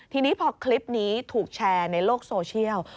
ทีนี้พอคลิปนี้ถูกแชร์ในโลกโซเชียล